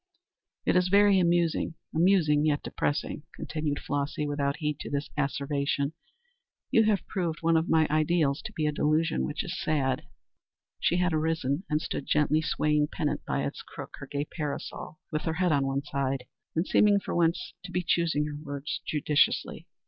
"It is very amusing. Amusing yet depressing," continued Flossy, without heed to this asseveration. "You have proved one of my ideals to be a delusion, which is sad." She had arisen and stood gently swaying pendent by its crook her gay parasol, with her head on one side, and seeming for once to be choosing her words judicially.